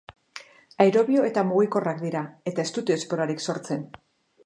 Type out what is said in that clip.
Aerobio eta mugikorrak dira, eta ez dute esporarik sortzen.